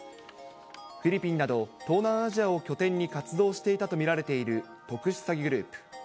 フィリピンなど東南アジアを拠点に活動していたと見られている特殊詐欺グループ。